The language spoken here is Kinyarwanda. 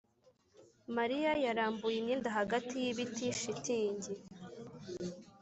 mariya yarambuye imyenda hagati y'ibiti. shitingi